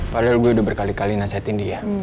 padahal gue udah berkali kali nasihatin dia